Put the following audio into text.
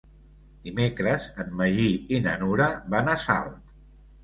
Dimecres en Magí i na Nura van a Salt.